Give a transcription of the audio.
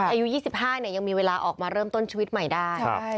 อายุ๒๕ยังมีเวลาออกมาเริ่มต้นชีวิตใหม่ได้